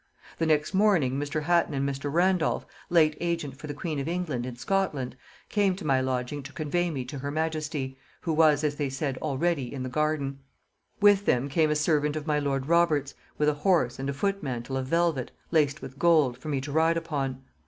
"The next morning Mr. Hatton and Mr. Randolph, late agent for the queen of England in Scotland, came to my lodging to convey me to her majesty, who was, as they said, already in the garden. With them came a servant of my lord Robert's with a horse and foot mantle of velvet, laced with gold, for me to ride upon.